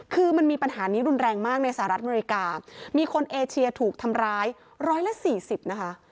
คือมันมีปัญหานี้รุนแรงมากในสหรัฐอเมริกามีคนเอเชียถูกทำร้ายร้อยละสี่สิบนะคะ